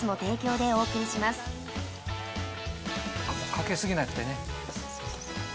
かけ過ぎなくてね。